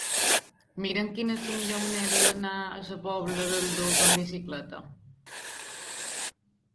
Mira'm quina és la millor manera d'anar a la Pobla del Duc amb bicicleta.